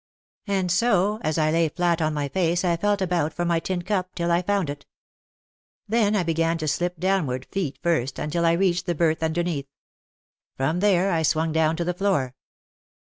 And so as I lay flat on my face I felt about for my tin cup till I found it. Then I began to slip downward feet first until I reached the berth underneath. From there I swung down to the floor.